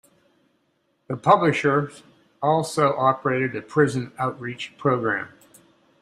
The publishers also operated a prison outreach program.